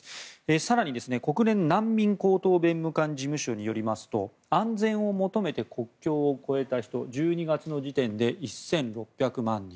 更に国連難民高等弁務官事務所によりますと安全を求めて国境を越えた人は１２月の時点で１６００万人。